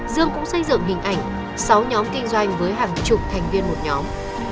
dương cũng xây dựng hình ảnh sáu nhóm kinh doanh với hàng chục thành viên một nhóm